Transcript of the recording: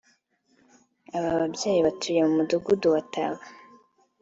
Aba babyeyi batuye mu Mudugudu wa Taba